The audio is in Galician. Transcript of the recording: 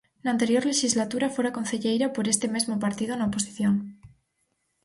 Na anterior lexislatura fora concelleira por este mesmo partido na oposición.